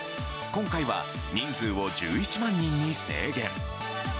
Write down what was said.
今回は人数を１１万人に制限。